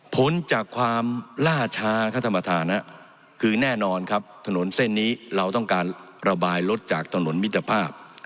ผลจากความล่าชาข้าธรรมฐานนะคือแน่นอนครับถนนเส้นนี้เราต้องการระบายลดจากถนนมิถภาพ